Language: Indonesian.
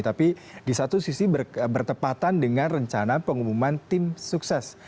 tapi di satu sisi bertepatan dengan rencana pengumuman tim sukses